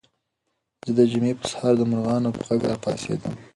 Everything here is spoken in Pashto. زه د جمعې په سهار د مرغانو په غږ راپاڅېدم.